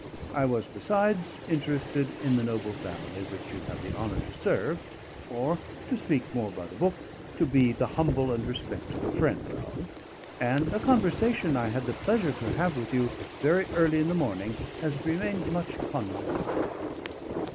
I was, besides, interested in the noble family which you have the honour to serve, or (to speak more by the book) to be the humble and respected friend of; and a conversation I had the pleasure to have with you very early in the morning has remained much upon my mind.